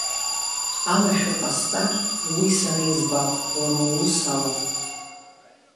Амашәыр ҟасҵар уи сара избап, уара уус алам.